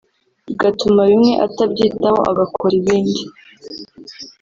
bigatuma bimwe atabyitaho agakora ibindi